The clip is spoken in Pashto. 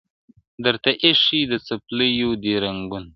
درته ایښي د څپلیو دي رنګونه!!!